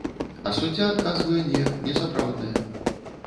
А суддзя адказвае, не, несапраўдныя.